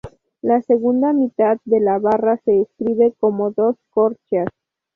La segunda mitad de la barra se escribe como dos corcheas.